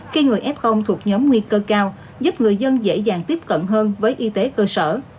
khi người f thuộc nhóm nguy cơ cao giúp người dân dễ dàng tiếp cận hơn với y tế cơ sở